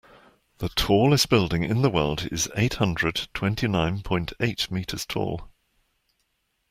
The tallest building in the world is eight hundred twenty nine point eight meters tall.